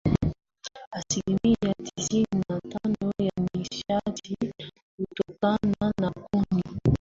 Asilimia tisini na tano ya nishati hutokana na kuni